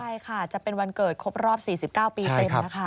ใช่ค่ะจะเป็นวันเกิดครบรอบ๔๙ปีเต็มนะคะ